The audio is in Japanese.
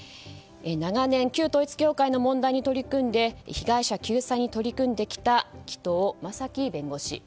長年、旧統一教会の問題に取り組んで被害者救済に取り組んできた紀藤正樹弁護士。